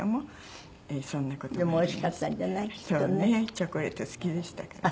チョコレート好きでしたからね。